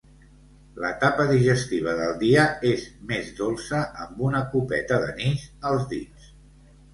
L'etapa digestiva del dia és més dolça amb una copeta d'anís als dits.